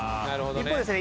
一方ですね